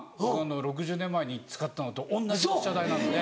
６０年前に使ったのと同じ発射台なので。